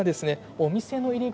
お店の入り口